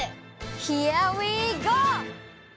ヒアウィーゴー！